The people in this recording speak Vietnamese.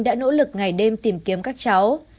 đã nỗ lực ngày đêm tìm kiếm các cháu